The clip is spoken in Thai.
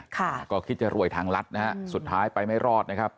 ค่ะก็คิดจะรวยทางรัฐนะฮะสุดท้ายไปไม่รอดนะครับ